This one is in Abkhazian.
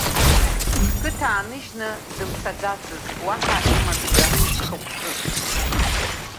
Ҳқыҭа ааныжьны дымцаӡацызт, уаҳа имамшәа хықәкык.